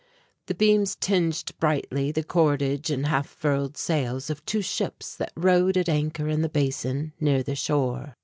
The beams tinged brightly the cordage and half furled sails of two ships that rode at anchor in the Basin, near the shore.